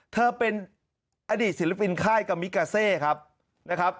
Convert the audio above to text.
เธอเป็นอดีตศิลปินค่ายกัมิกาเซครับนะครับ